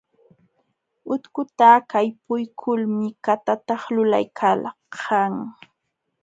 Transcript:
Utkuta kaypuykulmi katata lulaykalkan.